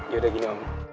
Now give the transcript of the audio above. ya udah gini om